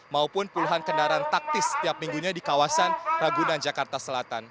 maupun puluhan kendaraan taktis setiap minggunya di kawasan ragunan jakarta selatan